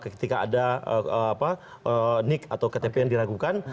ketika ada nik atau ktp yang diragukan